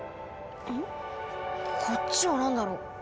こっちは何だろう？